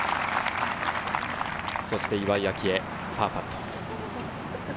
そして岩井明愛、パーパット。